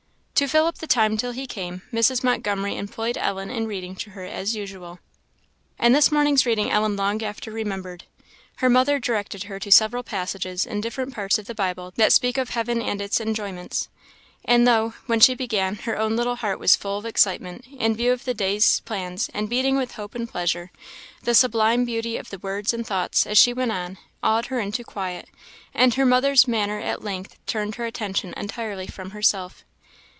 To fill up the time till he came, Mrs. Montgomery employed Ellen in reading to her, as usual. And this morning's reading Ellen long after remembered. Her mother directed her to several passages in different parts of the Bible that speak of heaven and its enjoyments; and though, when she began, her own little heart was full of excitement, in view of the day's plans, and beating with hope and pleasure, the sublime beauty of the words and thoughts, as she went on, awed her into quiet, and her mother's manner at length turned her attention entirely from herself.